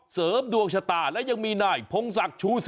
เสริมดวงชะตาและยังมีนายพงศักดิ์ชูศรี